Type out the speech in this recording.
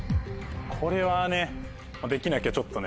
これはねできなきゃちょっとね。